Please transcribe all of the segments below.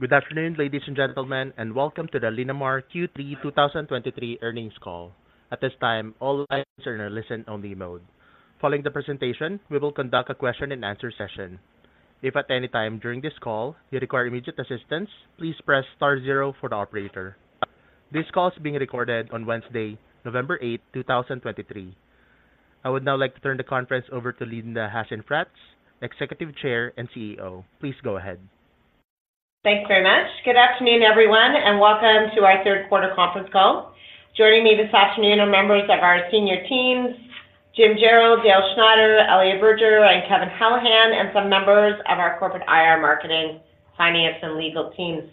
Good afternoon, ladies and gentlemen, and welcome to the Linamar Q3 2023 Earnings Call. At this time, all lines are in a listen-only mode. Following the presentation, we will conduct a question-and-answer session. If at any time during this call you require immediate assistance, please press star zero for the operator. This call is being recorded on Wednesday, November 8, 2023. I would now like to turn the conference over to Linda Hasenfratz, Executive Chair and CEO. Please go ahead. Thanks very much. Good afternoon, everyone, and welcome to our third quarter conference call. Joining me this afternoon are members of our senior teams, Jim Jarrell, Dale Schneider, Elliot Berger, and Kevin Callahan, and some members of our corporate IR marketing, finance, and legal teams.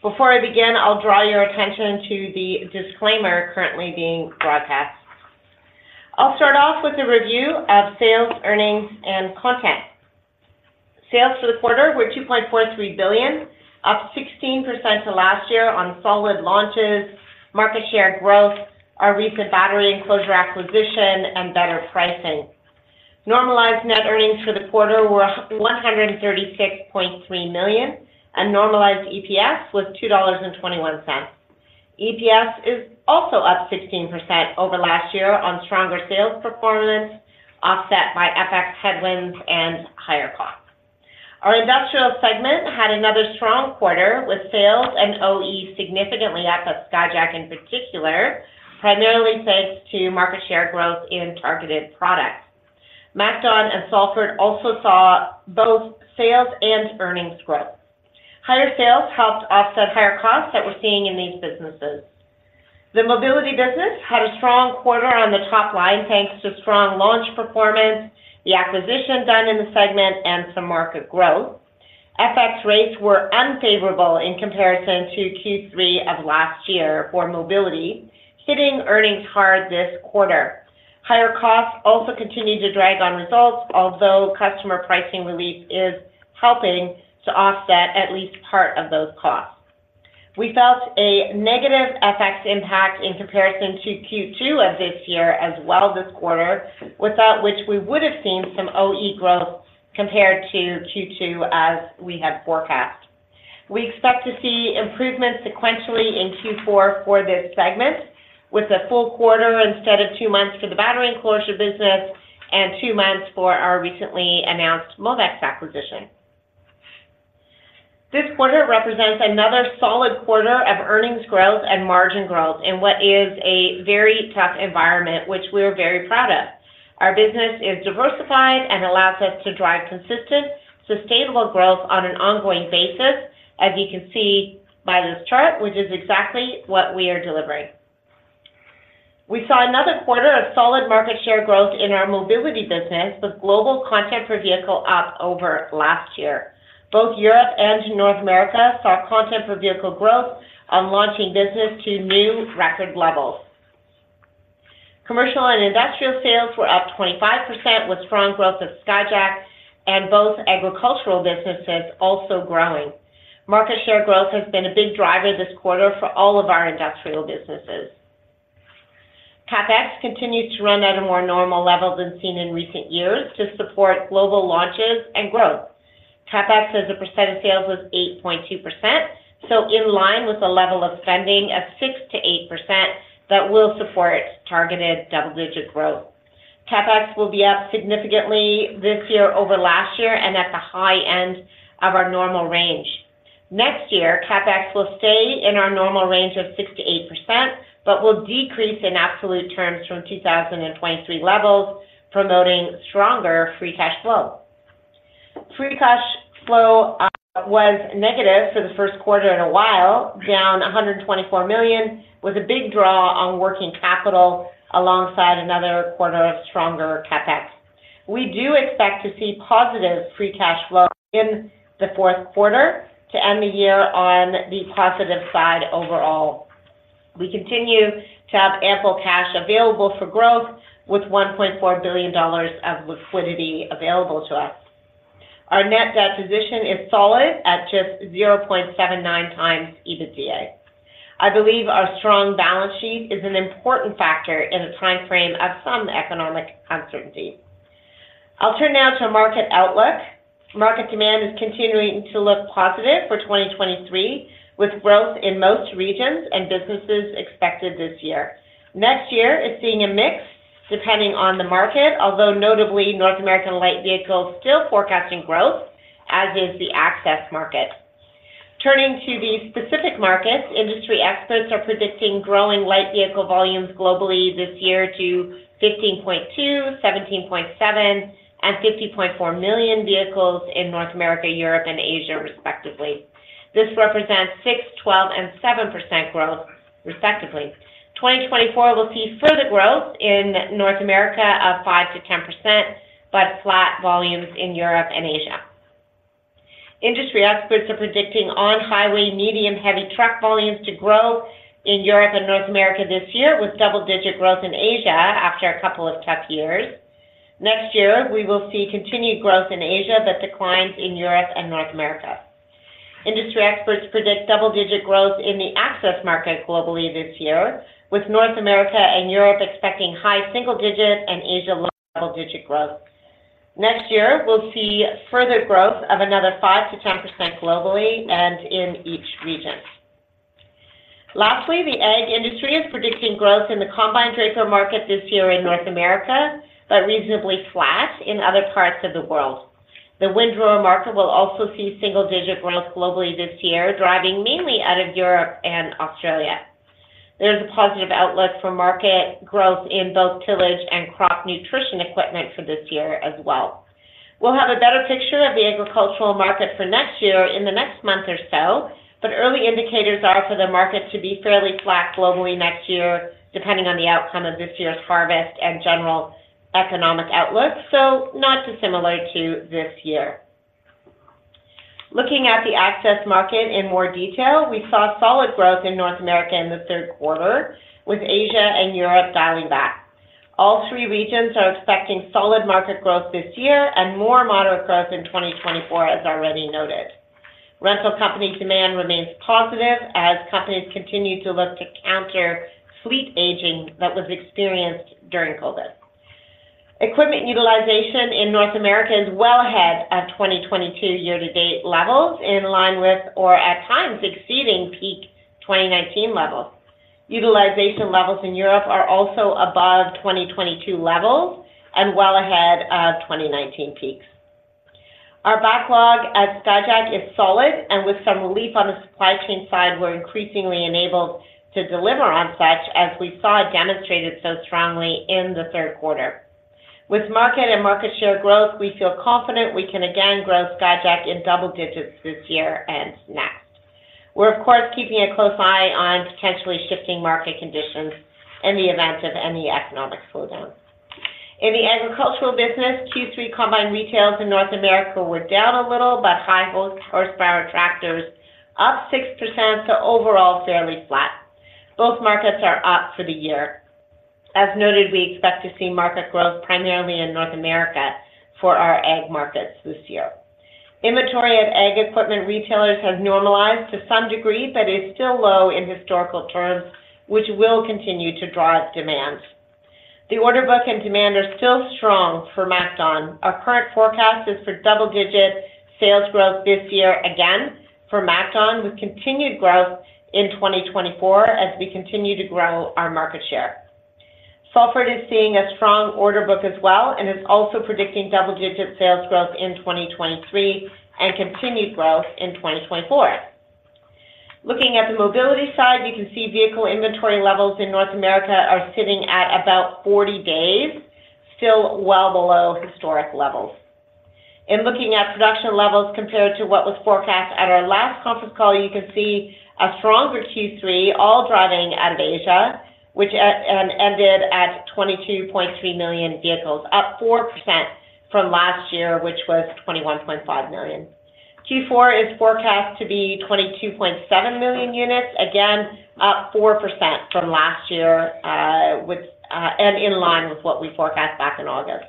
Before I begin, I'll draw your attention to the disclaimer currently being broadcast. I'll start off with a review of sales, earnings, and content. Sales for the quarter were 2.43 billion, up 16% to last year on solid launches, market share growth, our recent battery enclosure acquisition, and better pricing. Normalized net earnings for the quarter were 136.3 million, and normalized EPS was 2.21 dollars. EPS is also up 16% over last year on stronger sales performance, offset by FX headwinds and higher costs. Our industrial segment had another strong quarter, with sales and OE significantly up at Skyjack, in particular, primarily thanks to market share growth in targeted products. MacDon and Salford also saw both sales and earnings growth. Higher sales helped offset higher costs that we're seeing in these businesses. The Mobility business had a strong quarter on the top line, thanks to strong launch performance, the acquisition done in the segment, and some market growth. FX rates were unfavorable in comparison to Q3 of last year for Mobility, hitting earnings hard this quarter. Higher costs also continued to drag on results, although customer pricing relief is helping to offset at least part of those costs. We felt a negative FX impact in comparison to Q2 of this year as well this quarter, without which we would have seen some OE growth compared to Q2 as we had forecast. We expect to see improvements sequentially in Q4 for this segment, with a full quarter instead of two months for the battery enclosure business and two months for our recently announced Mobex acquisition. This quarter represents another solid quarter of earnings growth and margin growth in what is a very tough environment, which we are very proud of. Our business is diversified and allows us to drive consistent, sustainable growth on an ongoing basis, as you can see by this chart, which is exactly what we are delivering. We saw another quarter of solid market share growth in our Mobility business, with global content per vehicle up over last year. Both Europe and North America saw content per vehicle growth on launching business to new record levels. Commercial and industrial sales were up 25%, with strong growth of Skyjack and both agricultural businesses also growing. Market share growth has been a big driver this quarter for all of our industrial businesses. CapEx continues to run at a more normal level than seen in recent years to support global launches and growth. CapEx as a percent of sales was 8.2%, so in line with the level of spending of 6%-8%, that will support targeted double-digit growth. CapEx will be up significantly this year over last year and at the high end of our normal range. Next year, CapEx will stay in our normal range of 6%-8%, but will decrease in absolute terms from 2023 levels, promoting stronger free cash flow. Free cash flow was negative for the first quarter in a while, down 124 million, with a big draw on working capital alongside another quarter of stronger CapEx. We do expect to see positive free cash flow in the fourth quarter to end the year on the positive side overall. We continue to have ample cash available for growth with 1.4 billion dollars of liquidity available to us. Our net debt position is solid at just 0.79x EBITDA. I believe our strong balance sheet is an important factor in the timeframe of some economic uncertainty. I'll turn now to market outlook. Market demand is continuing to look positive for 2023, with growth in most regions and businesses expected this year. Next year is seeing a mix depending on the market, although notably North American light vehicles still forecasting growth, as is the access market. Turning to the specific markets, industry experts are predicting growing light vehicle volumes globally this year to 15.2, 17.7, and 50.4 million vehicles in North America, Europe, and Asia, respectively. This represents 6%, 12%, and 7% growth, respectively. 2024 will see further growth in North America of 5%-10%, but flat volumes in Europe and Asia. Industry experts are predicting on-highway medium heavy truck volumes to grow in Europe and North America this year, with double-digit growth in Asia after a couple of tough years. Next year, we will see continued growth in Asia, but declines in Europe and North America. Industry experts predict double-digit growth in the access market globally this year, with North America and Europe expecting high single-digit and Asia low double-digit growth. Next year, we'll see further growth of another 5%-10% globally and in each region. Lastly, the ag industry is predicting growth in the combine draper market this year in North America, but reasonably flat in other parts of the world. The windrower market will also see single-digit growth globally this year, driving mainly out of Europe and Australia. There's a positive outlook for market growth in both tillage and crop nutrition equipment for this year as well. We'll have a better picture of the agricultural market for next year in the next month or so, but early indicators are for the market to be fairly flat globally next year, depending on the outcome of this year's harvest and general economic outlook, so not too similar to this year. Looking at the access market in more detail, we saw solid growth in North America in the third quarter, with Asia and Europe dialing back. All three regions are expecting solid market growth this year and more moderate growth in 2024, as already noted. Rental company demand remains positive as companies continue to look to counter fleet aging that was experienced during COVID. Equipment utilization in North America is well ahead of 2022 year-to-date levels, in line with or at times exceeding peak 2019 levels. Utilization levels in Europe are also above 2022 levels and well ahead of 2019 peaks. Our backlog at Skyjack is solid, and with some relief on the supply chain side, we're increasingly enabled to deliver on such as we saw demonstrated so strongly in the third quarter. With market and market share growth, we feel confident we can again grow Skyjack in double digits this year and next. We're, of course, keeping a close eye on potentially shifting market conditions in the event of any economic slowdown. In the agricultural business, Q3 combined retails in North America were down a little, but high-horsepower tractors up 6%, so overall, fairly flat. Both markets are up for the year. As noted, we expect to see market growth primarily in North America for our ag markets this year. Inventory of ag equipment retailers has normalized to some degree, but is still low in historical terms, which will continue to drive demand. The order book and demand are still strong for MacDon. Our current forecast is for double-digit sales growth this year, again for MacDon, with continued growth in 2024 as we continue to grow our market share. Salford is seeing a strong order book as well and is also predicting double-digit sales growth in 2023 and continued growth in 2024. Looking at the Mobility side, you can see vehicle inventory levels in North America are sitting at about 40 days, still well below historic levels. In looking at production levels compared to what was forecast at our last conference call, you can see a stronger Q3 all driving out of Asia, which and ended at 22.3 million vehicles, up 4% from last year, which was 21.5 million. Q4 is forecast to be 22.7 million units, again, up 4% from last year, with and in line with what we forecast back in August.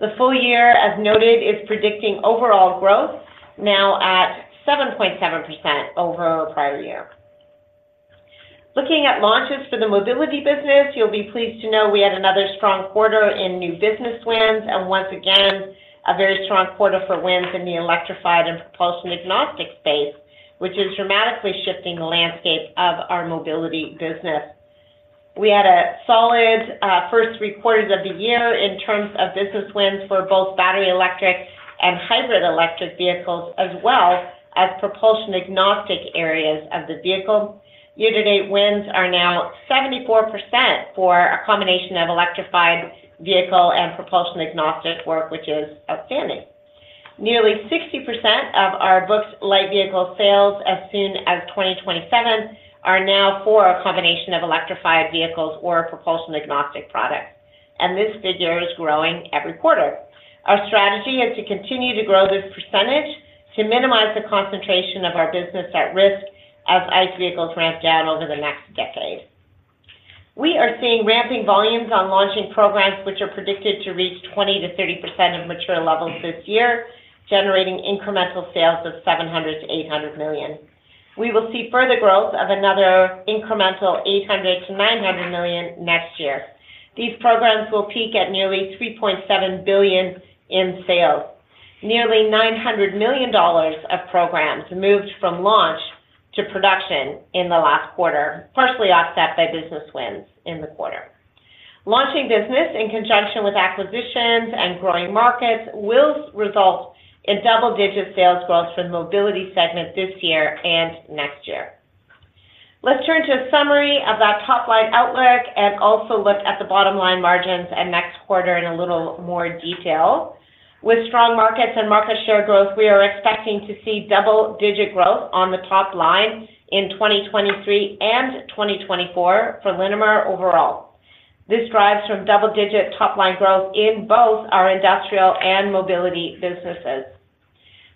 The full year, as noted, is predicting overall growth, now at 7.7% over our prior year. Looking at launches for the Mobility business, you'll be pleased to know we had another strong quarter in new business wins, and once again, a very strong quarter for wins in the electrified and propulsion agnostic space, which is dramatically shifting the landscape of our Mobility business. We had a solid first three quarters of the year in terms of business wins for both battery electric and hybrid electric vehicles, as well as propulsion agnostic areas of the vehicle. Year-to-date wins are now 74% for a combination of electrified vehicle and propulsion agnostic work, which is outstanding. Nearly 60% of our booked light vehicle sales as soon as 2027 are now for a combination of electrified vehicles or propulsion agnostic products, and this figure is growing every quarter. Our strategy is to continue to grow this percentage to minimize the concentration of our business at risk as IC vehicles ramp down over the next decade. We are seeing ramping volumes on launching programs which are predicted to reach 20%-30% of mature levels this year, generating incremental sales of 700 million-800 million. We will see further growth of another incremental 800 million-900 million next year. These programs will peak at nearly 3.7 billion in sales. Nearly 900 million dollars of programs moved from launch to production in the last quarter, partially offset by business wins in the quarter. Launching business in conjunction with acquisitions and growing markets will result in double-digit sales growth for the Mobility segment this year and next year. Let's turn to a summary of our top-line outlook and also look at the bottom line margins and next quarter in a little more detail. With strong markets and market share growth, we are expecting to see double-digit growth on the top line in 2023 and 2024 for Linamar overall. This drives from double-digit top line growth in both our industrial and Mobility businesses.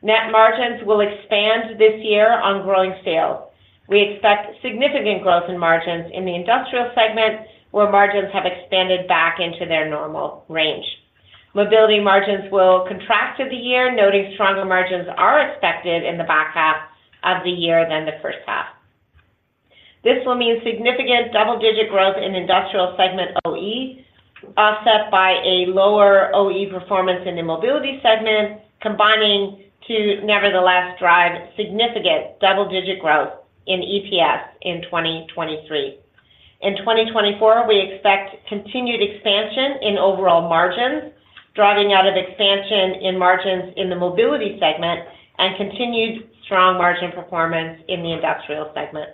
Net margins will expand this year on growing sales. We expect significant growth in margins in the industrial segment, where margins have expanded back into their normal range. Mobility margins will contract of the year, noting stronger margins are expected in the back half of the year than the first half. This will mean significant double-digit growth in industrial segment OE, offset by a lower OE performance in the Mobility segment, combining to nevertheless drive significant double-digit growth in EPS in 2023. In 2024, we expect continued expansion in overall margins, driving out of expansion in margins in the Mobility segment and continued strong margin performance in the industrial segment.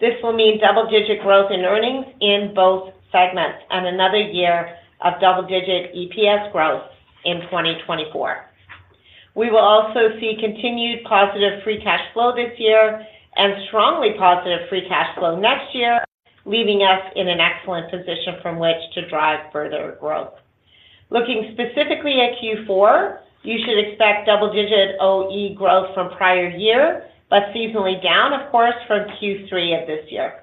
This will mean double-digit growth in earnings in both segments and another year of double-digit EPS growth in 2024. We will also see continued positive free cash flow this year and strongly positive free cash flow next year, leaving us in an excellent position from which to drive further growth. Looking specifically at Q4, you should expect double-digit OE growth from prior year, but seasonally down, of course, from Q3 of this year.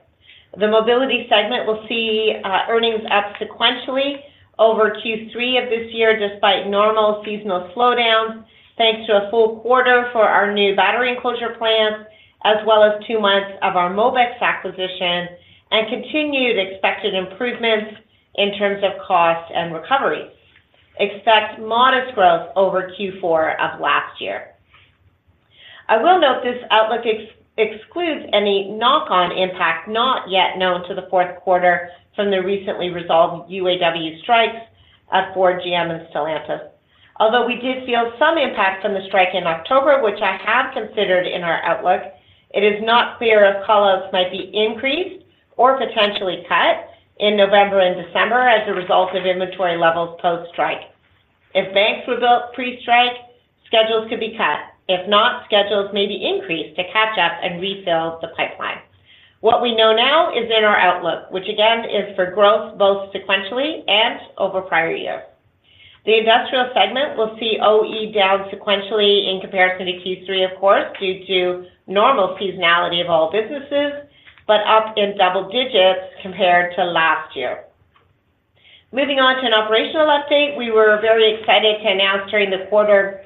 The Mobility segment will see earnings up sequentially over Q3 of this year, despite normal seasonal slowdowns, thanks to a full quarter for our new battery enclosure plant, as well as two months of our Mobex acquisition and continued expected improvements in terms of cost and recovery. Expect modest growth over Q4 of last year. I will note this outlook excludes any knock-on impact not yet known to the fourth quarter from the recently resolved UAW strikes at Ford, GM, and Stellantis. Although we did feel some impact from the strike in October, which I have considered in our outlook, it is not clear if call-outs might be increased or potentially cut in November and December as a result of inventory levels post-strike. If banks were built pre-strike, schedules could be cut. If not, schedules may be increased to catch up and refill the pipeline. What we know now is in our outlook, which again, is for growth both sequentially and over prior year. The industrial segment will see OE down sequentially in comparison to Q3, of course, due to normal seasonality of all businesses, but up in double digits compared to last year. Moving on to an operational update, we were very excited to announce during the quarter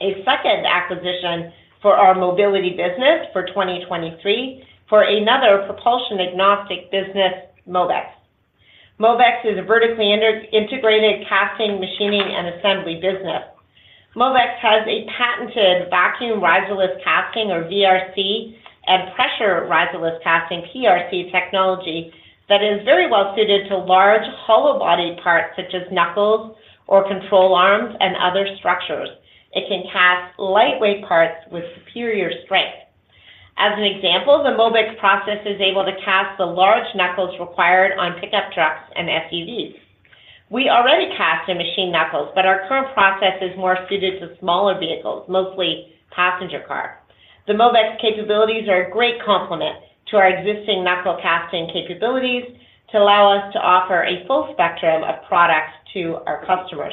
a second acquisition for our Mobility business for 2023, for another propulsion agnostic business, Mobex. Mobex is a vertically integrated casting, machining, and assembly business. Mobex has a patented vacuum riser casting, or VRC, and pressure riser casting, PRC, technology that is very well suited to large hollow body parts, such as knuckles or control arms, and other structures. It can cast lightweight parts with superior strength. As an example, the Mobex process is able to cast the large knuckles required on pickup trucks and SUVs. We already cast in-house knuckles, but our current process is more suited to smaller vehicles, mostly passenger car. The Mobex capabilities are a great complement to our existing knuckle casting capabilities to allow us to offer a full spectrum of products to our customers.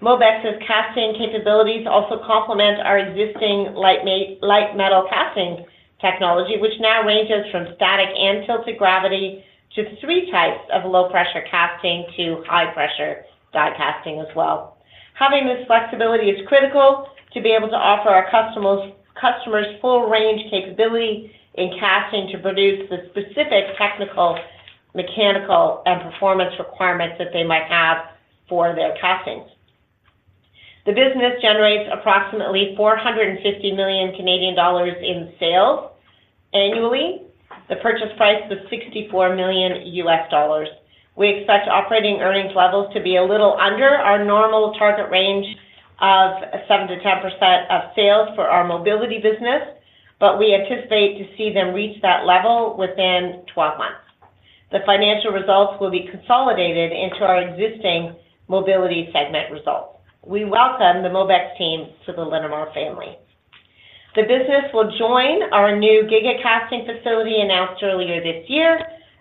Mobex's casting capabilities also complement our existing light metal casting technology, which now ranges from static and tilted gravity to three types of low pressure casting to high pressure die casting as well. Having this flexibility is critical to be able to offer our customers full range capability in casting to produce the specific technical, mechanical, and performance requirements that they might have for their castings. The business generates approximately 450 million Canadian dollars in sales annually. The purchase price was $64 million. We expect operating earnings levels to be a little under our normal target range of 7%-10% of sales for our Mobility business, but we anticipate to see them reach that level within 12 months. The financial results will be consolidated into our existing Mobility segment results. We welcome the Mobex team to the Linamar family. The business will join our new Giga Casting facility announced earlier this year,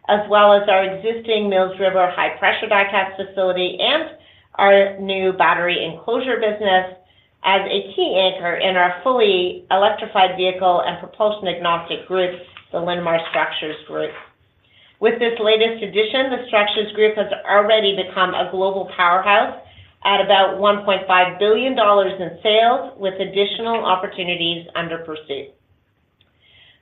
as well as our existing Mills River high pressure die cast facility and our new battery enclosure business as a key anchor in our fully electrified vehicle and propulsion agnostic group, the Linamar Structures Group. With this latest addition, the Structures Group has already become a global powerhouse at about $1.5 billion in sales, with additional opportunities under pursuit.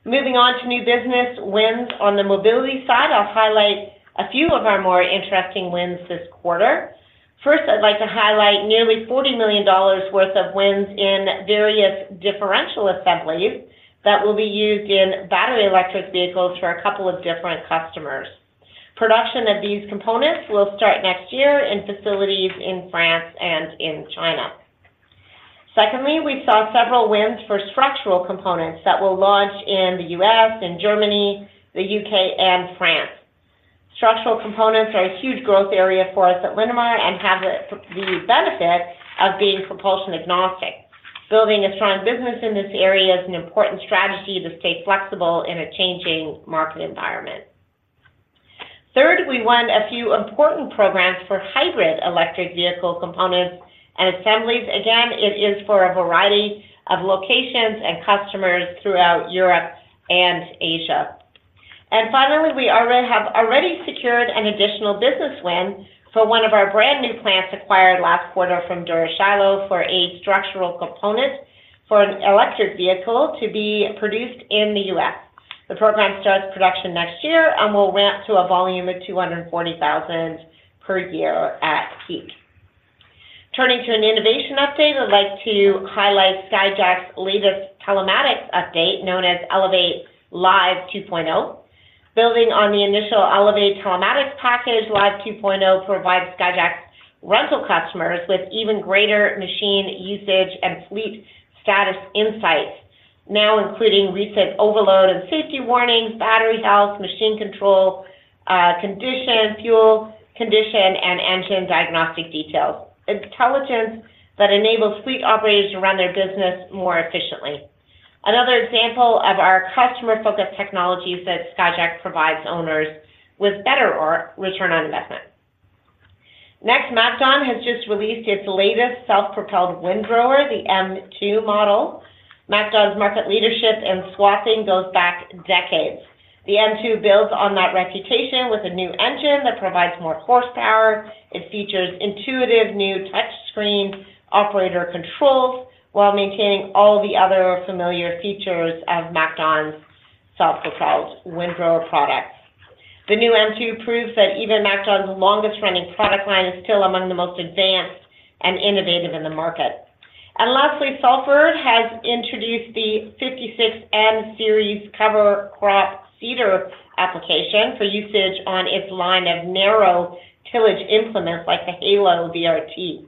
Moving on to new business wins on the Mobility side, I'll highlight a few of our more interesting wins this quarter. First, I'd like to highlight nearly $40 million worth of wins in various differential assemblies that will be used in battery electric vehicles for a couple of different customers. Production of these components will start next year in facilities in France and in China. Secondly, we saw several wins for structural components that will launch in the U.S., in Germany, the U.K., and France. Structural components are a huge growth area for us at Linamar and have the benefit of being propulsion agnostic. Building a strong business in this area is an important strategy to stay flexible in a changing market environment. Third, we won a few important programs for hybrid electric vehicle components and assemblies. Again, it is for a variety of locations and customers throughout Europe and Asia. And finally, we have already secured an additional business win for one of our brand new plants acquired last quarter from Dura-Shiloh for a structural component for an electric vehicle to be produced in the U.S. The program starts production next year and will ramp to a volume of 240,000 per year at peak. Turning to an innovation update, I'd like to highlight Skyjack's latest telematics update, known as Elevate Live 2.0. Building on the initial Elevate Telematics package, Live 2.0 provides Skyjack's rental customers with even greater machine usage and fleet status insights, now including recent overload and safety warnings, battery health, machine control, condition, fuel condition, and engine diagnostic details. Intelligence that enables fleet operators to run their business more efficiently. Another example of our customer-focused technologies that Skyjack provides owners with better ROI. Next, MacDon has just released its latest self-propelled windrower, the M2 model. MacDon's market leadership in swathing goes back decades. The M2 builds on that reputation with a new engine that provides more horsepower. It features intuitive new touchscreen operator controls, while maintaining all the other familiar features of MacDon's self-propelled windrower products. The new M2 proves that even MacDon's longest-running product line is still among the most advanced and innovative in the market. And lastly, Salford has introduced the 56N Series cover crop seeder application for usage on its line of narrow tillage implements like the HALO VRT.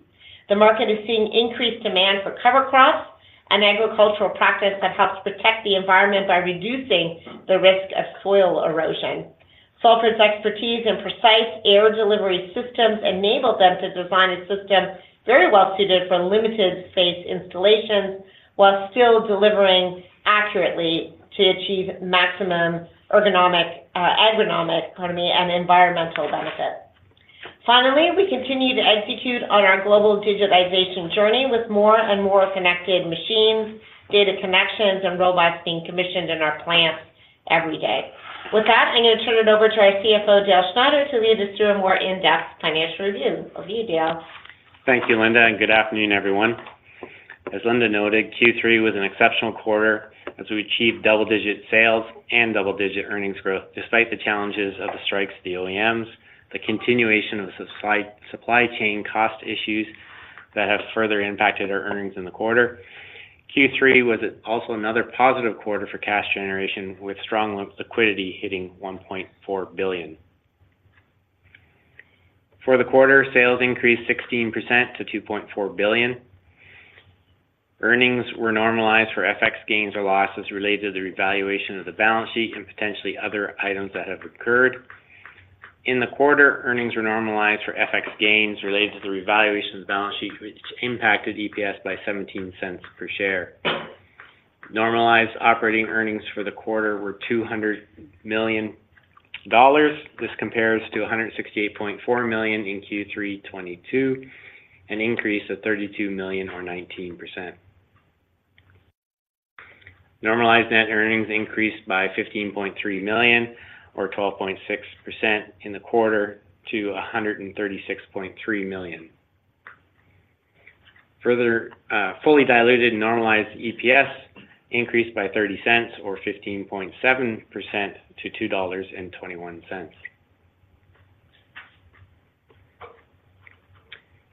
The market is seeing increased demand for cover crops, an agricultural practice that helps protect the environment by reducing the risk of soil erosion. Salford's expertise in precise air delivery systems enabled them to design a system very well-suited for limited space installations, while still delivering accurately to achieve maximum ergonomic, agronomic, pardon me, and environmental benefit. Finally, we continue to execute on our global digitization journey with more and more connected machines, data connections, and robots being commissioned in our plants every day. With that, I'm going to turn it over to our CFO, Dale Schneider, to lead us through a more in-depth financial review. Over to you, Dale. Thank you, Linda, and good afternoon, everyone. As Linda noted, Q3 was an exceptional quarter as we achieved double-digit sales and double-digit earnings growth, despite the challenges of the strikes, the OEMs, the continuation of the supply chain cost issues that have further impacted our earnings in the quarter. Q3 was also another positive quarter for cash generation, with strong liquidity hitting 1.4 billion. For the quarter, sales increased 16% to 2.4 billion. Earnings were normalized for FX gains or losses related to the revaluation of the balance sheet and potentially other items that have occurred. In the quarter, earnings were normalized for FX gains related to the revaluation of the balance sheet, which impacted EPS by 0.17 per share. Normalized operating earnings for the quarter were 200 million dollars. This compares to 168.4 million in Q3 2022, an increase of 32 million or 19%. Normalized net earnings increased by 15.3 million or 12.6% in the quarter to 136.3 million. Further, fully diluted and normalized EPS increased by 0.30 or 15.7% to 2.21 dollars.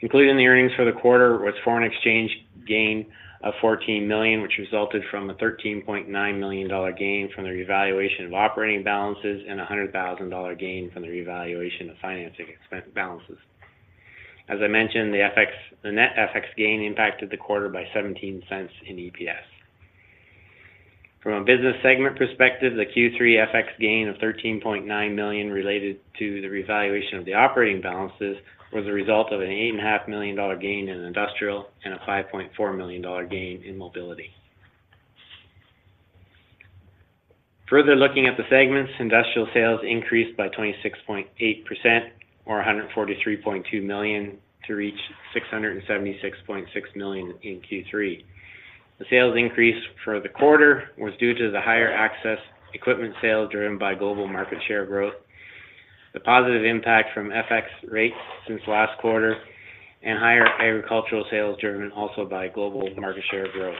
Including the earnings for the quarter, was foreign exchange gain of 14 million, which resulted from a 13.9 million dollar gain from the revaluation of operating balances and a 100,000 dollar gain from the revaluation of financing expense balances. As I mentioned, the FX- the net FX gain impacted the quarter by 0.17 in EPS. From a business segment perspective, the Q3 FX gain of 13.9 million related to the revaluation of the operating balances was a result of an 8.5 million dollar gain in industrial and a 5.4 million dollar gain in Mobility. Further looking at the segments, industrial sales increased by 26.8% or 143.2 million to reach 676.6 million in Q3. The sales increase for the quarter was due to the higher access equipment sale, driven by global market share growth, the positive impact from FX rates since last quarter, and higher agricultural sales, driven also by global market share growth.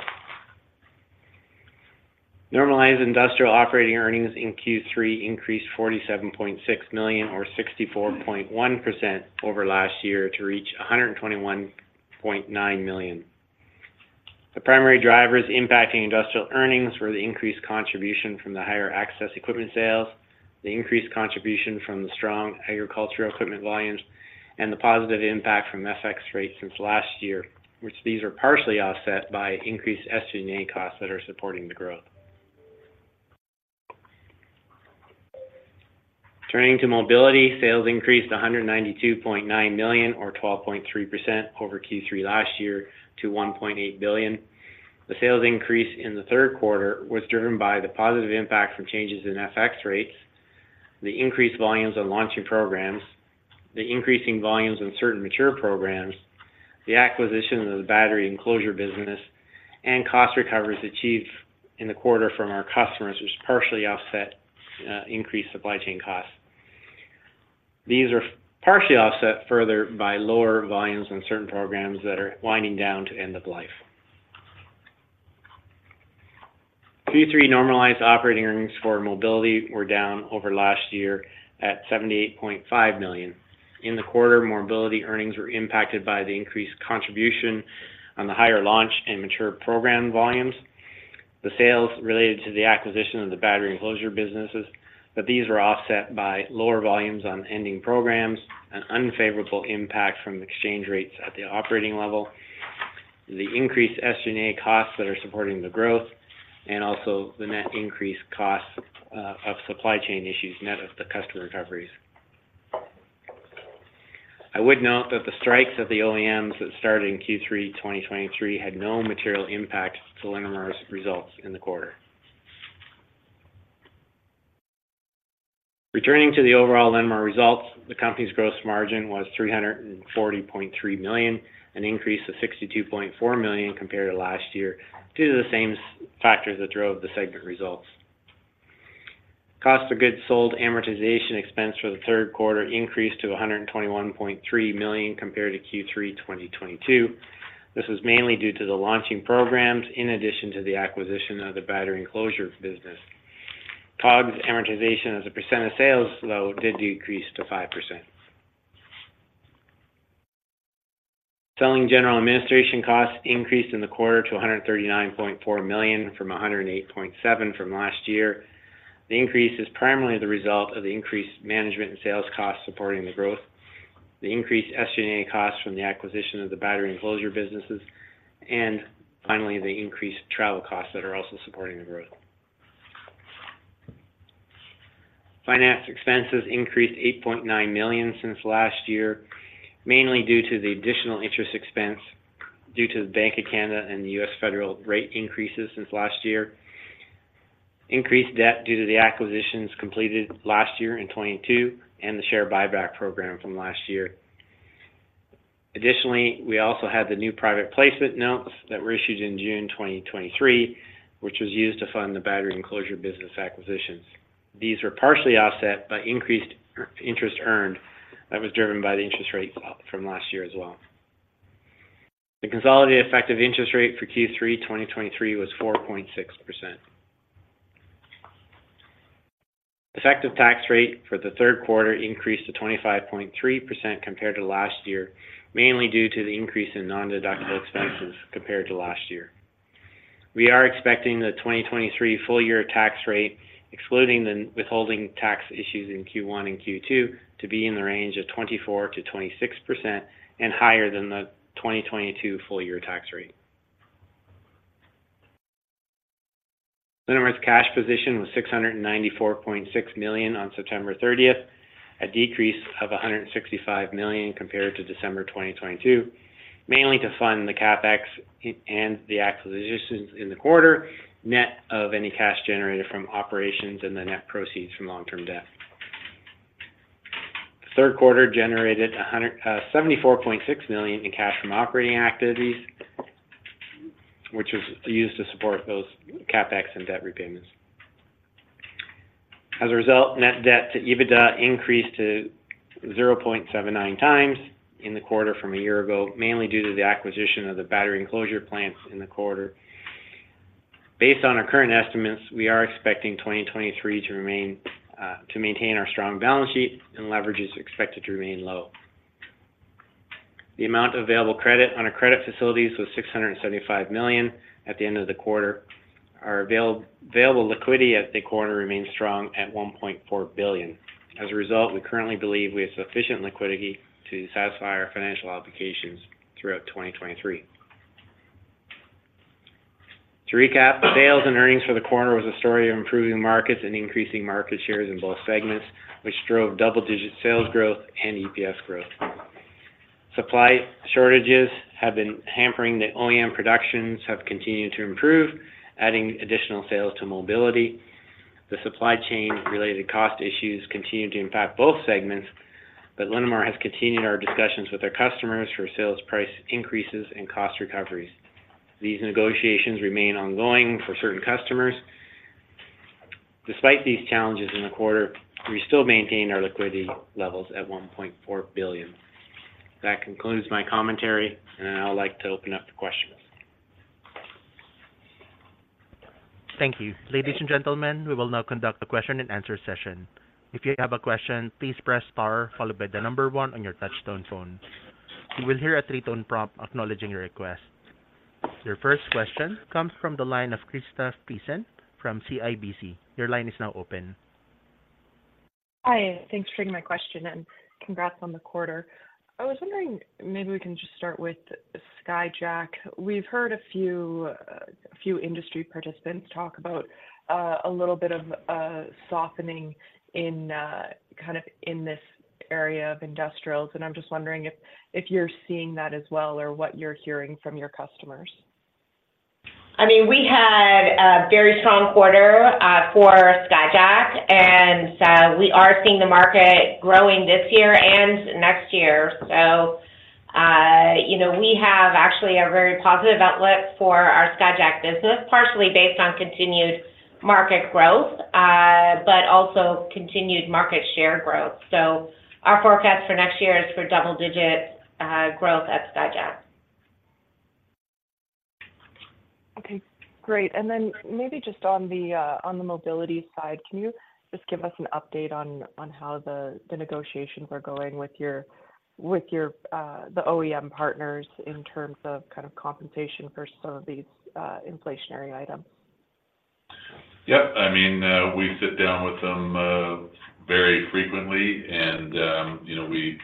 Normalized industrial operating earnings in Q3 increased 47.6 million or 64.1% over last year to reach 121.9 million. The primary drivers impacting industrial earnings were the increased contribution from the higher access equipment sales, the increased contribution from the strong agricultural equipment volumes, and the positive impact from FX rates since last year, which these are partially offset by increased SG&A costs that are supporting the growth. Turning to Mobility, sales increased to 192.9 million or 12.3% over Q3 last year to 1.8 billion. The sales increase in the third quarter was driven by the positive impact from changes in FX rates, the increased volumes on launching programs, the increased volumes in certain mature programs, the acquisition of the battery enclosure business, and cost recoveries achieved in the quarter from our customers, which partially offset increased supply chain costs. These are partially offset further by lower volumes in certain programs that are winding down to end of life. Q3 normalized operating earnings for Mobility were down over last year at 78.5 million. In the quarter, Mobility earnings were impacted by the increased contribution on the higher launch and mature program volumes, the sales related to the acquisition of the battery enclosure businesses. But these were offset by lower volumes on ending programs and unfavorable impact from exchange rates at the operating level, the increased SG&A costs that are supporting the growth, and also the net increased costs, of supply chain issues, net of the customer recoveries. I would note that the strikes of the OEMs that started in Q3 2023 had no material impact to Linamar's results in the quarter. Returning to the overall Linamar results, the company's gross margin was 340.3 million, an increase of 62.4 million compared to last year, due to the same factors that drove the segment results. Cost of goods sold amortization expense for the third quarter increased to 121.3 million compared to Q3 2022. This was mainly due to the launching programs, in addition to the acquisition of the battery enclosure business. COGS amortization as a percent of sales, though, did decrease to 5%. Selling general administration costs increased in the quarter to 139.4 million from 108.7 million from last year. The increase is primarily the result of the increased management and sales costs supporting the growth, the increased SG&A costs from the acquisition of the battery enclosure businesses, and finally, the increased travel costs that are also supporting the growth. Finance expenses increased 8.9 million since last year, mainly due to the additional interest expense due to the Bank of Canada and the U.S. Federal Reserve rate increases since last year, increased debt due to the acquisitions completed last year in 2022, and the share buyback program from last year. Additionally, we also had the new private placement notes that were issued in June 2023, which was used to fund the battery enclosure business acquisitions. These were partially offset by increased interest earned that was driven by the interest rate from last year as well. The consolidated effective interest rate for Q3 2023 was 4.6%. Effective tax rate for the third quarter increased to 25.3% compared to last year, mainly due to the increase in nondeductible expenses compared to last year. We are expecting the 2023 full year tax rate, excluding the withholding tax issues in Q1 and Q2, to be in the range of 24%-26% and higher than the 2022 full year tax rate. Linamar's cash position was 694.6 million on September 30th, a decrease of 165 million compared to December 2022, mainly to fund the CapEx and the acquisitions in the quarter, net of any cash generated from operations and the net proceeds from long-term debt. The third quarter generated a hundred, 74.6 million in cash from operating activities, which was used to support those CapEx and debt repayments. As a result, net debt to EBITDA increased to 0.79 times in the quarter from a year ago, mainly due to the acquisition of the battery enclosure plants in the quarter. Based on our current estimates, we are expecting 2023 to remain to maintain our strong balance sheet, and leverage is expected to remain low. The amount of available credit on our credit facilities was 675 million at the end of the quarter. Our available liquidity at the quarter remains strong at 1.4 billion. As a result, we currently believe we have sufficient liquidity to satisfy our financial obligations throughout 2023. To recap, the sales and earnings for the quarter was a story of improving markets and increasing market shares in both segments, which drove double-digit sales growth and EPS growth. Supply shortages have been hampering the OEM productions, have continued to improve, adding additional sales to Mobility. The supply chain related cost issues continue to impact both segments, but Linamar has continued our discussions with our customers for sales price increases and cost recoveries. These negotiations remain ongoing for certain customers. Despite these challenges in the quarter, we still maintain our liquidity levels at 1.4 billion. That concludes my commentary, and I would like to open up to questions. Thank you. Ladies and gentlemen, we will now conduct a question-and-answer session. If you have a question, please press star followed by the number 1 on your touchtone phone. You will hear a three-tone prompt acknowledging your request. Your first question comes from the line of Krista Friesen from CIBC. Your line is now open. Hi, thanks for taking my question, and congrats on the quarter. I was wondering, maybe we can just start with Skyjack. We've heard a few industry participants talk about a little bit of a softening in kind of this area of industrials, and I'm just wondering if you're seeing that as well, or what you're hearing from your customers? I mean, we had a very strong quarter for Skyjack, and we are seeing the market growing this year and next year. So-... you know, we have actually a very positive outlook for our Skyjack business, partially based on continued market growth, but also continued market share growth. So our forecast for next year is for double-digit growth at Skyjack. Okay, great. And then maybe just on the, on the Mobility side, can you just give us an update on, on how the, the negotiations are going with your, with your, the OEM partners in terms of kind of compensation for some of these, inflationary items? Yep. I mean, we sit down with them very frequently and, you know, we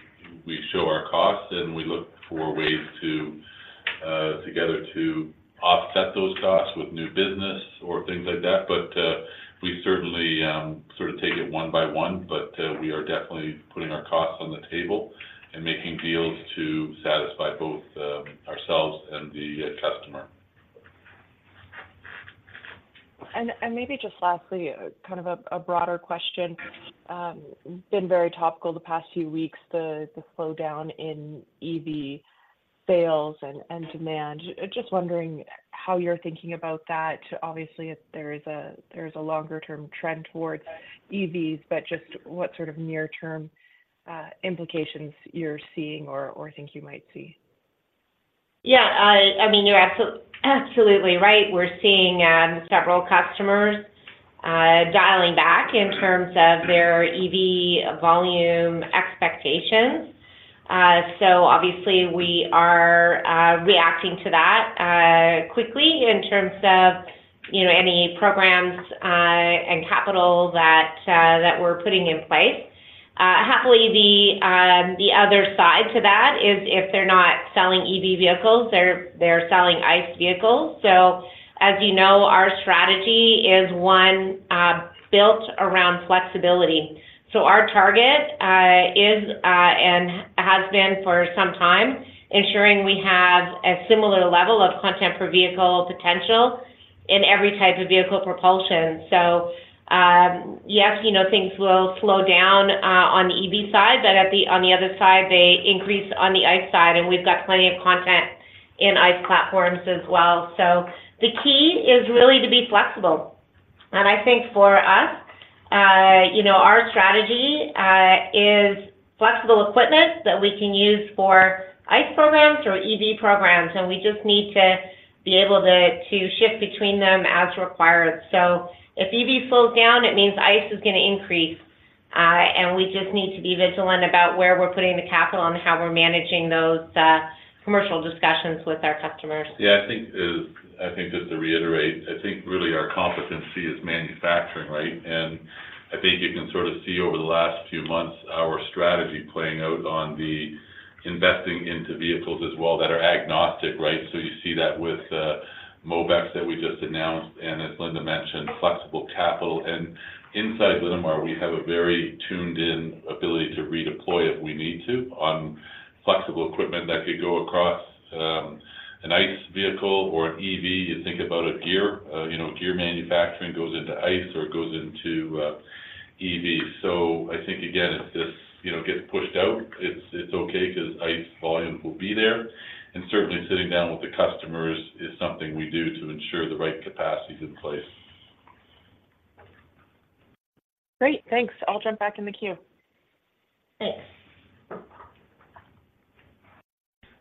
show our costs and we look for ways to together offset those costs with new business or things like that. But we certainly sort of take it one by one, but we are definitely putting our costs on the table and making deals to satisfy both ourselves and the customer. Maybe just lastly, kind of a broader question. Been very topical the past few weeks, the slowdown in EV sales and demand. Just wondering how you're thinking about that. Obviously, there is a longer-term trend towards EVs, but just what sort of near-term implications you're seeing or think you might see? Yeah, I mean, you're absolutely right. We're seeing several customers dialing back in terms of their EV volume expectations. So obviously we are reacting to that quickly in terms of, you know, any programs and capital that we're putting in place. Happily, the other side to that is if they're not selling EV vehicles, they're selling ICE vehicles. So as you know, our strategy is one built around flexibility. So our target is and has been for some time, ensuring we have a similar level of content per vehicle potential in every type of vehicle propulsion. So yes, you know, things will slow down on the EV side, but at the, on the other side, they increase on the ICE side, and we've got plenty of content in ICE platforms as well. The key is really to be flexible. I think for us, you know, our strategy is flexible equipment that we can use for ICE programs or EV programs, and we just need to be able to shift between them as required. If EV slows down, it means ICE is gonna increase, and we just need to be vigilant about where we're putting the capital and how we're managing those commercial discussions with our customers. Yeah, I think, I think just to reiterate, I think really our competency is manufacturing, right? And I think you can sort of see over the last few months, our strategy playing out on the investing into vehicles as well that are agnostic, right? So you see that with, Mobex that we just announced, and as Linda mentioned, flexible capital. And inside Linamar, we have a very tuned-in ability to redeploy if we need to on flexible equipment that could go across, an ICE vehicle or an EV. You think about a gear, you know, gear manufacturing goes into ICE or it goes into, EV. So I think, again, if this, you know, gets pushed out, it's, it's okay because ICE volume will be there. And certainly sitting down with the customers is something we do to ensure the right capacity is in place. Great, thanks. I'll jump back in the queue. Thanks.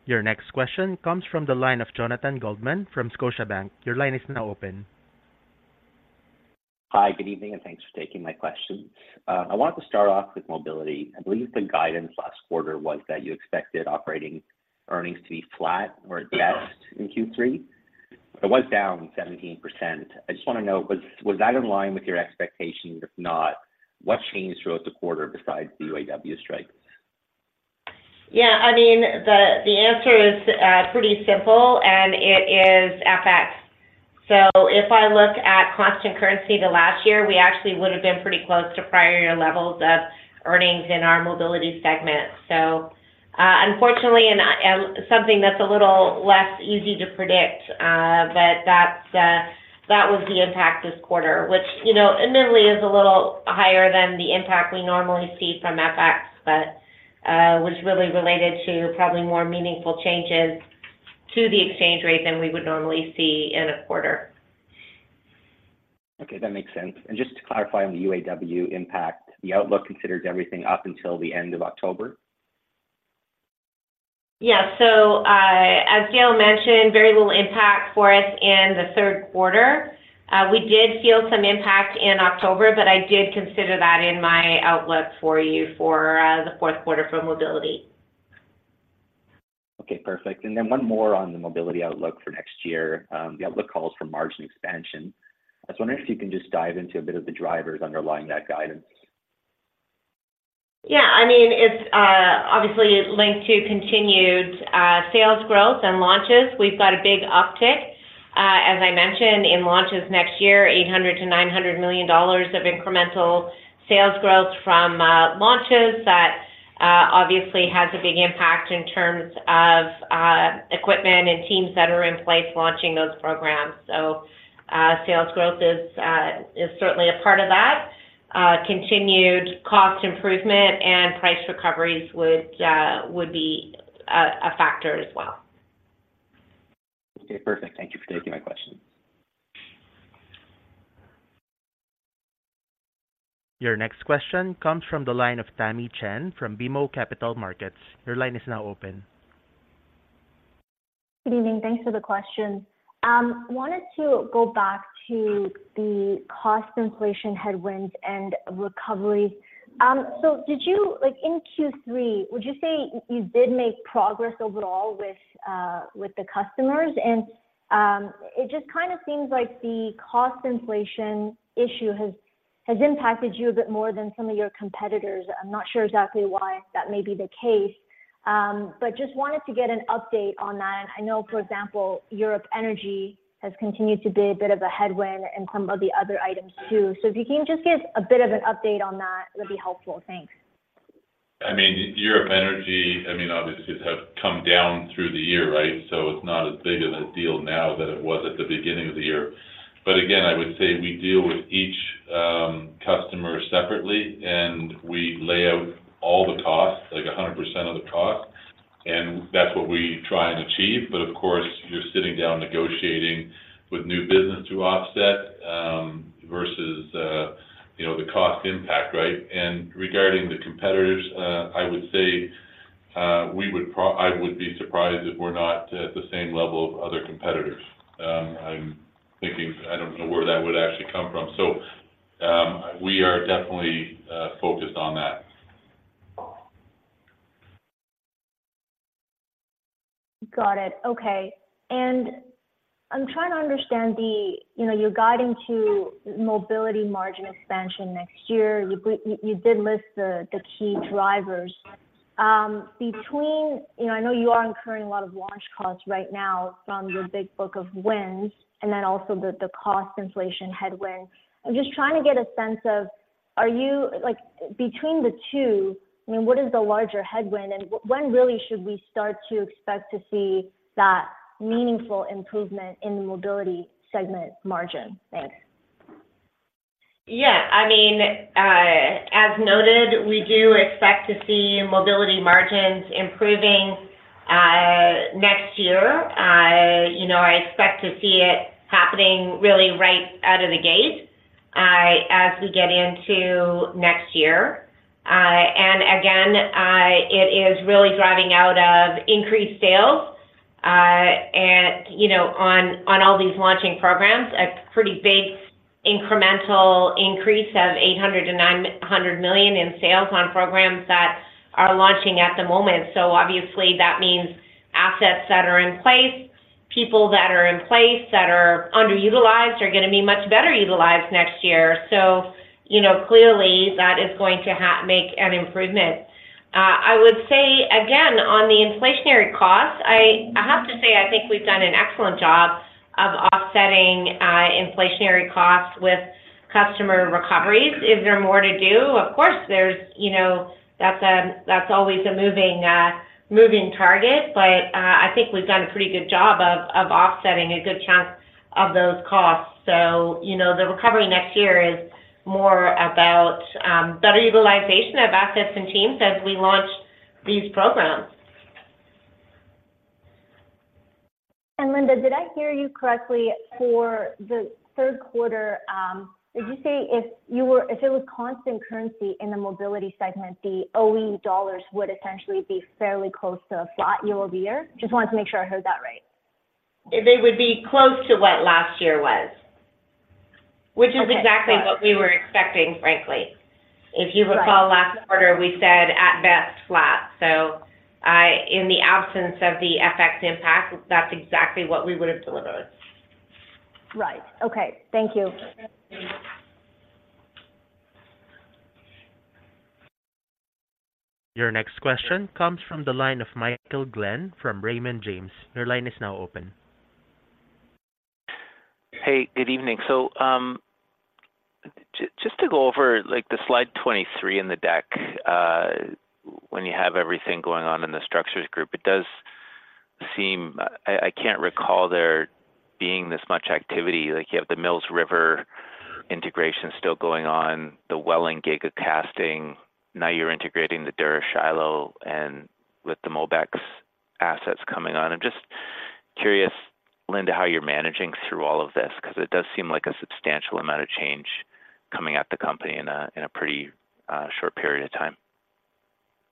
Your next question comes from the line of Jonathan Goldman from Scotiabank. Your line is now open. Hi, good evening, and thanks for taking my question. I wanted to start off with Mobility. I believe the guidance last quarter was that you expected operating earnings to be flat or at best in Q3. It was down 17%. I just want to know, was that in line with your expectations? If not, what changed throughout the quarter besides the UAW strike? Yeah, I mean, the answer is pretty simple, and it is FX. So if I look at constant currency to last year, we actually would have been pretty close to prior year levels of earnings in our Mobility segment. So, unfortunately, and, something that's a little less easy to predict, but that was the impact this quarter, which, you know, admittedly is a little higher than the impact we normally see from FX, but was really related to probably more meaningful changes to the exchange rate than we would normally see in a quarter. Okay, that makes sense. Just to clarify on the UAW impact, the outlook considers everything up until the end of October? Yeah. So, as Dale mentioned, very little impact for us in the third quarter. We did feel some impact in October, but I did consider that in my outlook for you for the fourth quarter for Mobility. Okay, perfect. And then one more on the Mobility outlook for next year. The outlook calls for margin expansion. I was wondering if you can just dive into a bit of the drivers underlying that guidance. Yeah, I mean, it's obviously linked to continued sales growth and launches. We've got a big uptick, as I mentioned, in launches next year, $800 million-$900 million of incremental sales growth from launches. That obviously has a big impact in terms of equipment and teams that are in place launching those programs. So, sales growth is certainly a part of that. Continued cost improvement and price recoveries would be a factor as well. Okay, perfect. Thank you for taking my question. Your next question comes from the line of Tamy Chen from BMO Capital Markets. Your line is now open. Good evening. Thanks for the questions. Wanted to go back to the cost inflation headwinds and recovery. So did you—like, in Q3, would you say you did make progress overall with the customers? And it just kind of seems like the cost inflation issue has impacted you a bit more than some of your competitors. I'm not sure exactly why that may be the case, but just wanted to get an update on that. I know, for example, European energy has continued to be a bit of a headwind in some of the other items, too. So if you can just give a bit of an update on that, it would be helpful. Thanks. I mean, European energy, I mean, obviously, it has come down through the year, right? So it's not as big of a deal now than it was at the beginning of the year. But again, I would say we deal with each customer separately, and we lay out all the costs, like 100% of the cost, and that's what we try and achieve. But of course, you're sitting down negotiating with new business to offset versus, you know, the cost impact, right? And regarding the competitors, I would say I would be surprised if we're not at the same level of other competitors. I'm thinking, I don't know where that would actually come from. So, we are definitely focused on that. Got it. Okay. And I'm trying to understand the, you know, you're guiding to Mobility margin expansion next year. You, you did list the, the key drivers. Between... You know, I know you are incurring a lot of launch costs right now from your big book of wins, and then also the, the cost inflation headwind. I'm just trying to get a sense of, are you—like, between the two, I mean, what is the larger headwind, and when really should we start to expect to see that meaningful improvement in the Mobility segment margin? Thanks. Yeah, I mean, as noted, we do expect to see Mobility margins improving next year. You know, I expect to see it happening really right out of the gate, as we get into next year. And again, it is really driving out of increased sales, and, you know, on, on all these launching programs, a pretty big incremental increase of 800 million-900 million in sales on programs that are launching at the moment. So obviously, that means assets that are in place, people that are in place that are underutilized are gonna be much better utilized next year. So you know, clearly, that is going to make an improvement. I would say, again, on the inflationary cost, I, I have to say, I think we've done an excellent job of offsetting inflationary costs with customer recoveries. Is there more to do? Of course, there's, you know, that's a, that's always a moving target, but, I think we've done a pretty good job of offsetting a good chunk of those costs. So, you know, the recovery next year is more about better utilization of assets and teams as we launch these programs. Linda, did I hear you correctly for the third quarter? Did you say if it was constant currency in the Mobility segment, the OE dollars would essentially be fairly close to a flat year-over-year? Just wanted to make sure I heard that right. They would be close to what last year was, which is exactly what we were expecting, frankly. Right. If you recall last quarter, we said at best, flat. So, in the absence of the FX impact, that's exactly what we would have delivered. Right. Okay, thank you. Your next question comes from the line of Michael Glen from Raymond James. Your line is now open. Hey, good evening. So, just to go over, like, the slide 23 in the deck, when you have everything going on in the Structures Group, it does seem... I can't recall there being this much activity. Like, you have the Mills River integration still going on, the Welland Giga Casting, now you're integrating the Dura-Shiloh and with the Mobex assets coming on. I'm just curious, Linda, how you're managing through all of this, because it does seem like a substantial amount of change coming at the company in a pretty short period of time.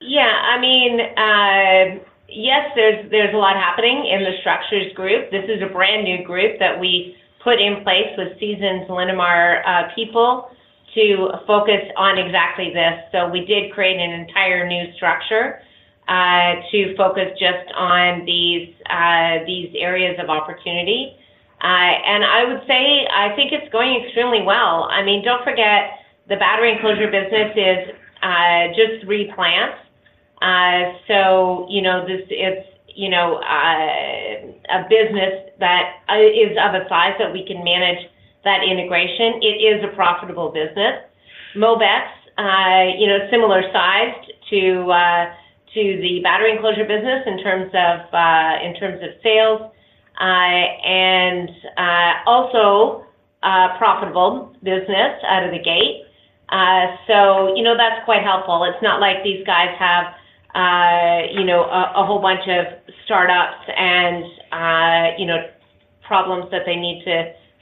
Yeah, I mean, yes, there's a lot happening in the Structures Group. This is a brand-new group that we put in place with seasoned Linamar people to focus on exactly this. So we did create an entire new structure to focus just on these areas of opportunity. And I would say, I think it's going extremely well. I mean, don't forget, the battery enclosure business is just three plants. So, you know, this, it's, you know, a business that is of a size that we can manage that integration. It is a profitable business. Mobex, you know, similar sized to the battery enclosure business in terms of sales, also a profitable business out of the gate. So, you know, that's quite helpful. It's not like these guys have, you know, a whole bunch of startups and, you know, problems that they need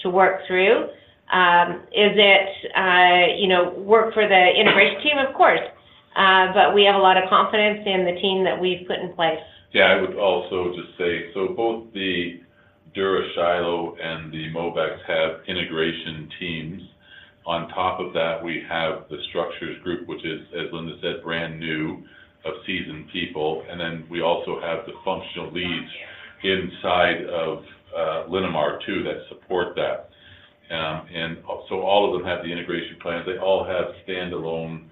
to work through. Is it, you know, work for the integration team? Of course, but we have a lot of confidence in the team that we've put in place. Yeah. I would also just say, so both the Dura-Shiloh and the Mobex have integration teams. On top of that, we have the Structures Group, which is, as Linda said, brand new, of seasoned people. And then we also have the functional leads inside of Linamar, too, that support that. And also all of them have the integration plans. They all have standalone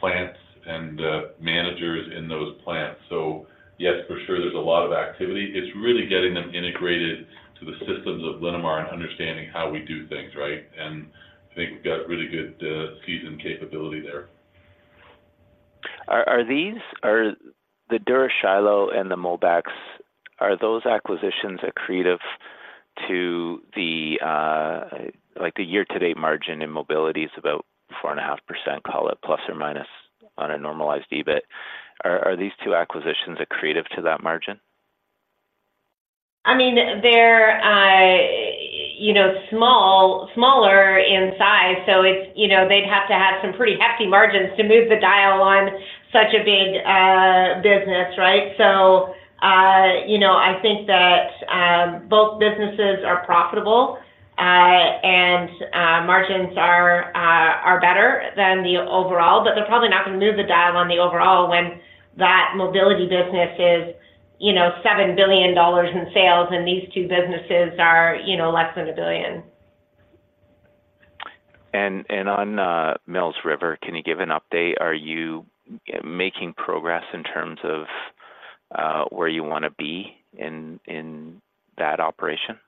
plants and managers in those plants. So yes, for sure, there's a lot of activity. It's really getting them integrated to the systems of Linamar and understanding how we do things, right? And I think we've got really good seasoned capability there. Are the Dura-Shiloh and the Mobex acquisitions accretive to the? Like, the year-to-date margin in Mobility is about 4.5%, call it, plus or minus on a normalized EBIT. Are these two acquisitions accretive to that margin? I mean, they're, you know, small, smaller in size, so it's, you know, they'd have to have some pretty hefty margins to move the dial on such a big, business, right? So, you know, I think that, both businesses are profitable, and, margins are better than the overall, but they're probably not gonna move the dial on the overall when that Mobility business is, you know, 7 billion dollars in sales, and these two businesses are, you know, less than CAD 1 billion. On Mills River, can you give an update? Are you making progress in terms of where you wanna be in that operation?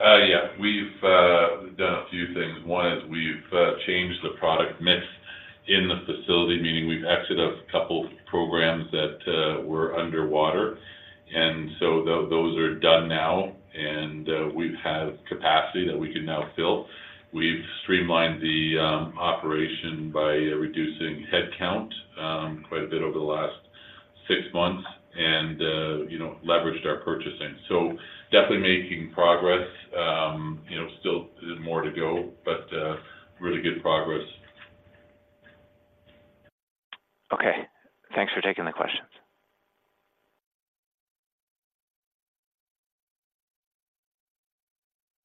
Yeah. We've done a few things. One is we've changed the product mix in the facility, meaning we've exited a couple programs that were underwater. And so those are done now, and we have capacity that we can now fill. We've streamlined the operation by reducing headcount quite a bit over the last six months and you know, leveraged our purchasing. So definitely making progress, you know, still more to go, but really good progress. Okay. Thanks for taking the questions.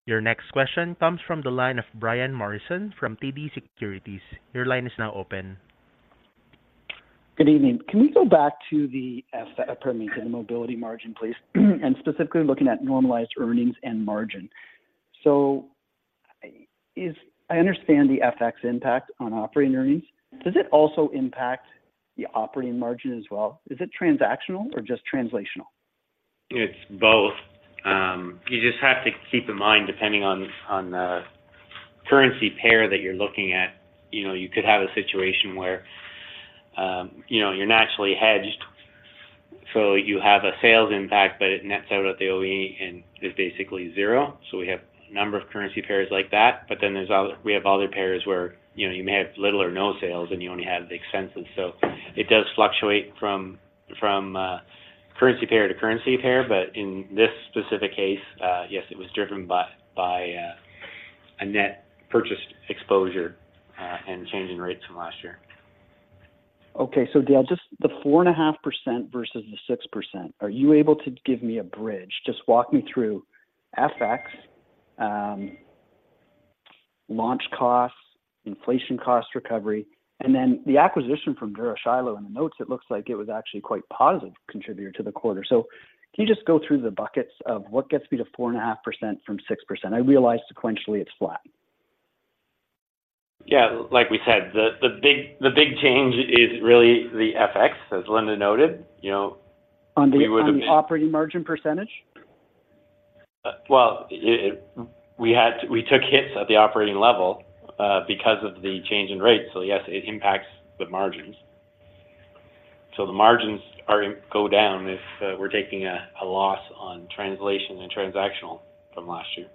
Your next question comes from the line of Brian Morrison from TD Securities. Your line is now open. Good evening. Can we go back to the Mobility margin, please, and specifically looking at normalized earnings and margin. So I understand the FX impact on operating earnings. Does it also impact the operating margin as well? Is it transactional or just translational? It's both. You just have to keep in mind, depending on, on the currency pair that you're looking at, you know, you could have a situation where, you know, you're naturally hedged, so you have a sales impact, but it nets out at the OE and is basically zero. So we have a number of currency pairs like that, but then there's other-- we have other pairs where, you know, you may have little or no sales and you only have the expenses. So it does fluctuate from, currency pair to currency pair, but in this specific case, yes, it was driven by, a net purchased exposure, and changing rates from last year. Okay. So Dale, just the 4.5% versus the 6%, are you able to give me a bridge? Just walk me through FX, launch costs, inflation cost recovery, and then the acquisition from Dura-Shiloh. In the notes, it looks like it was actually a quite positive contributor to the quarter. So can you just go through the buckets of what gets me to 4.5% from 6%? I realize sequentially it's flat. Yeah. Like we said, the big change is really the FX, as Linda noted. You know, we would have been- On the operating margin percentage? Well, we took hits at the operating level because of the change in rate. So yes, it impacts the margins. So the margins go down if we're taking a loss on translation and transactional from last year,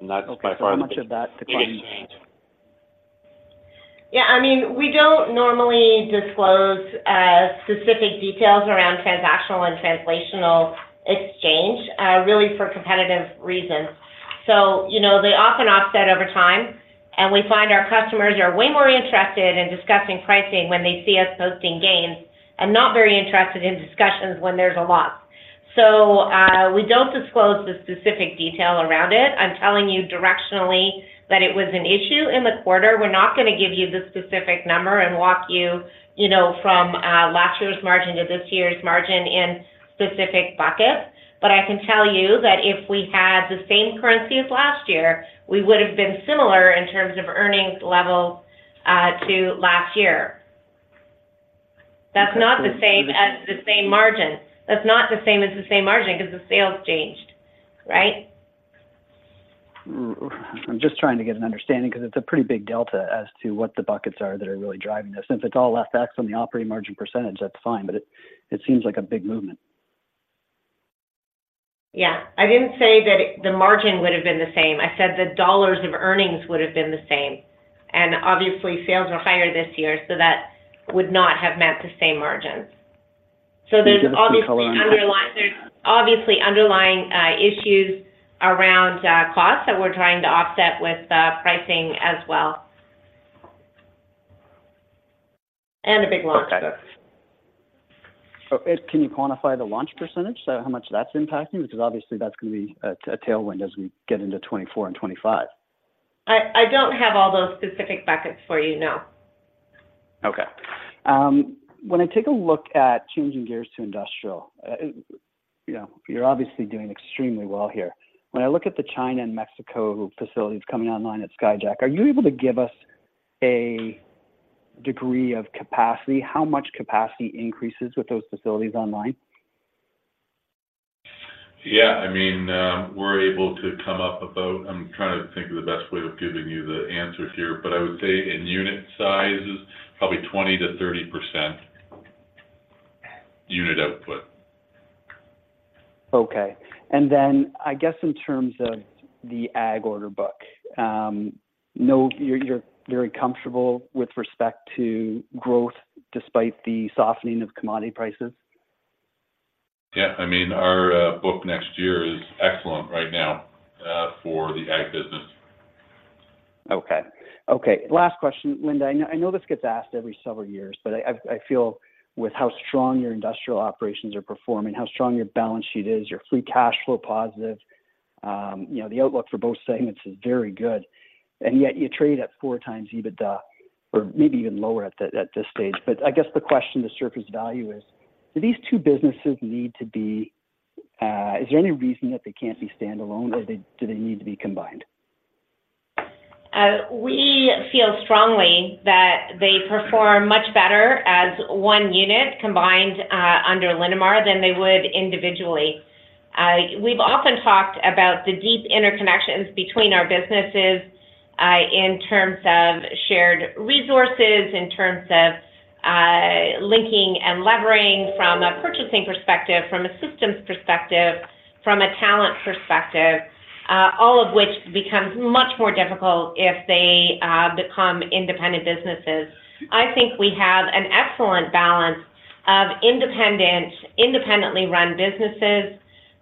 and that's by far the- Okay. So how much of that could- Yeah, I mean, we don't normally disclose specific details around transactional and translational exchange really for competitive reasons. So, you know, they often offset over time, and we find our customers are way more interested in discussing pricing when they see us posting gains, and not very interested in discussions when there's a loss. So, we don't disclose the specific detail around it. I'm telling you directionally that it was an issue in the quarter. We're not gonna give you the specific number and walk you, you know, from last year's margin to this year's margin in specific buckets. But I can tell you that if we had the same currency as last year, we would have been similar in terms of earnings level to last year. That's not the same as the same margin. That's not the same as the same margin, because the sales changed, right?... I'm just trying to get an understanding because it's a pretty big delta as to what the buckets are that are really driving this. Since it's all less tax on the operating margin percentage, that's fine, but it, it seems like a big movement. Yeah. I didn't say that it, the margin would have been the same. I said the dollars of earnings would have been the same. And obviously, sales are higher this year, so that would not have meant the same margins. So there's obviously underlying issues around costs that we're trying to offset with pricing as well. And a big launch. Okay. So, Ed, can you quantify the launch percentage? So how much that's impacting, because obviously that's going to be a tailwind as we get into 2024 and 2025. I don't have all those specific buckets for you, no. Okay. When I take a look at changing gears to industrial, you know, you're obviously doing extremely well here. When I look at the China and Mexico facilities coming online at Skyjack, are you able to give us a degree of capacity? How much capacity increases with those facilities online? Yeah, I mean, we're able to come up about... I'm trying to think of the best way of giving you the answer here, but I would say in unit sizes, probably 20%-30% unit output. Okay. And then, I guess, in terms of the ag order book, no, you're, you're very comfortable with respect to growth despite the softening of commodity prices? Yeah, I mean, our book next year is excellent right now for the ag business. Okay. Okay, last question, Linda. I know, I know this gets asked every several years, but I feel with how strong your industrial operations are performing, how strong your balance sheet is, your free cash flow positive, you know, the outlook for both segments is very good, and yet you trade at 4x EBITDA or maybe even lower at the, at this stage. But I guess the question to surface value is, do these two businesses need to be... Is there any reason that they can't be standalone, or do they, do they need to be combined? We feel strongly that they perform much better as one unit combined under Linamar than they would individually. We've often talked about the deep interconnections between our businesses in terms of shared resources, in terms of linking and levering from a purchasing perspective, from a systems perspective, from a talent perspective, all of which becomes much more difficult if they become independent businesses. I think we have an excellent balance of independent, independently run businesses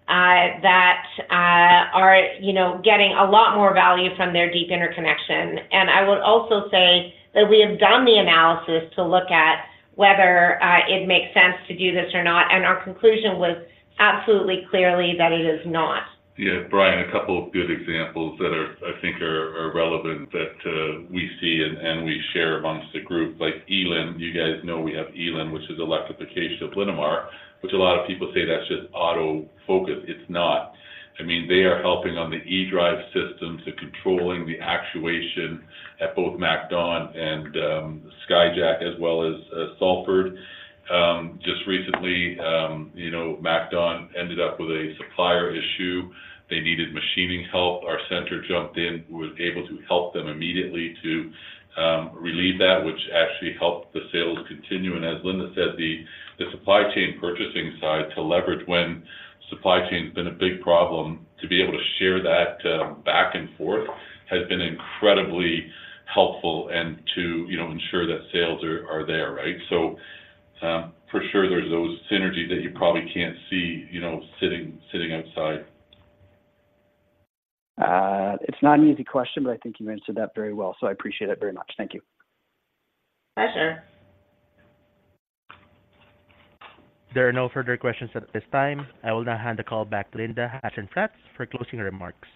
that are, you know, getting a lot more value from their deep interconnection. I would also say that we have done the analysis to look at whether it makes sense to do this or not, and our conclusion was absolutely clearly that it is not. Yeah, Brian, a couple of good examples that I think are relevant that we see and we share amongst the group, like eLIN. You guys know we have eLIN, which is electrification of Linamar, which a lot of people say that's just auto focus. It's not. I mean, they are helping on the e-drive system to controlling the actuation at both MacDon and Skyjack, as well as Salford. Just recently, you know, MacDon ended up with a supplier issue. They needed machining help. Our center jumped in, was able to help them immediately to relieve that, which actually helped the sales continue. As Linda said, the supply chain purchasing side to leverage when supply chain has been a big problem, to be able to share that back and forth has been incredibly helpful, and to, you know, ensure that sales are there, right? So, for sure, there's those synergies that you probably can't see, you know, sitting outside. It's not an easy question, but I think you answered that very well, so I appreciate it very much. Thank you. Pleasure. There are no further questions at this time. I will now hand the call back to Linda Hasenfratz for closing remarks.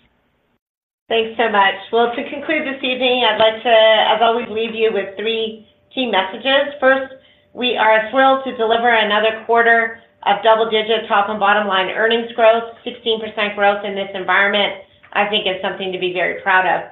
Thanks so much. Well, to conclude this evening, I'd like to, as always, leave you with three key messages. First, we are thrilled to deliver another quarter of double-digit top and bottom line earnings growth. 16% growth in this environment, I think is something to be very proud of.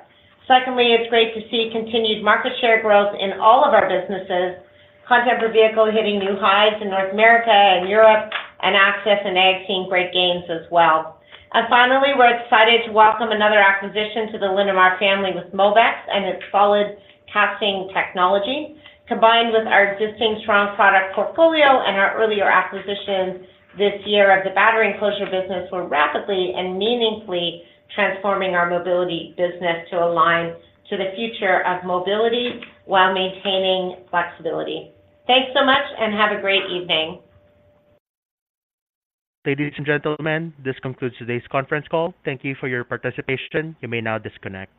Secondly, it's great to see continued market share growth in all of our businesses, content per vehicle hitting new highs in North America and Europe, and Access and Ag seeing great gains as well. And finally, we're excited to welcome another acquisition to the Linamar family with Mobex and its solid casting technology. Combined with our existing strong product portfolio and our earlier acquisitions this year of the battery enclosure business, we're rapidly and meaningfully transforming our Mobility business to align to the future of Mobility while maintaining flexibility. Thanks so much and have a great evening. Ladies and gentlemen, this concludes today's conference call. Thank you for your participation. You may now disconnect.